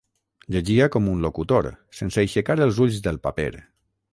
Llegia com un locutor, sense aixecar els ulls del paper.